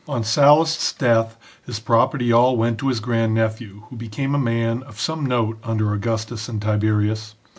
On Sallust's death, his property all went to his grand nephew, who became a man of some note under Augustus and Tiberius.